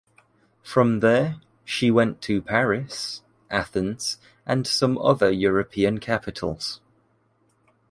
From there, she went to Paris, Athens and some other European capitals.